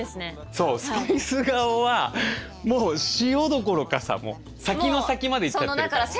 そうスパイス顔はもう塩どころかさ先の先まで行っちゃってるから。